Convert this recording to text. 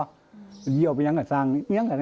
เขาเสียออกไปมันก็จะรู้พี่เฮดแล้วก่อนหรือน่ะ